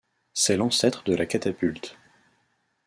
C'est l'ancêtre de la catapulte.